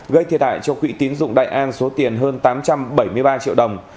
đại an số tiền hơn tám trăm bảy mươi ba triệu đồng